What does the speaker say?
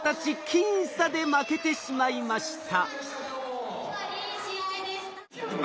僅差で負けてしまいました。